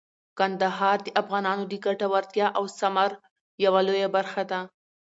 کندهار د افغانانو د ګټورتیا او ثمر یوه لویه برخه ده.